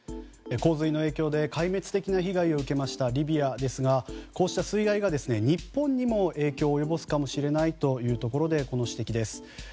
洪水の影響で壊滅的な被害を受けましたリビアですが、こうした水害が日本にも影響を及ぼすかもしれないというところでこの指摘です。